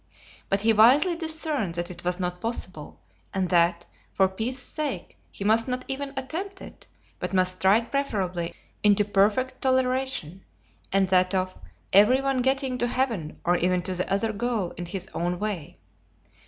But he wisely discerned that it was not possible, and that, for peace's sake, he must not even attempt it, but must strike preferably into "perfect toleration," and that of "every one getting to heaven or even to the other goal in his own way."